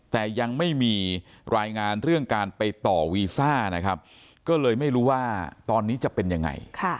แต่ยังไม่มีรายงานเรื่องการไปต่อวีซ่านะครับก็เลยไม่รู้ว่าตอนนี้จะเป็นยังไง